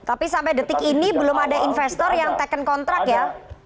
tapi sampai detik ini belum ada investor yang taken kontrak ya